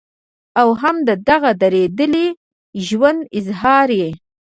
او هم د دغه درديدلي ژوند اظهار ئې